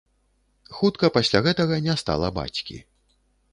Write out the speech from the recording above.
Хутка пасля гэтага не стала бацькі.